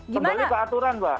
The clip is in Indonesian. kembali ke aturan mbak